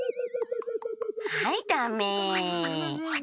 はいダメ。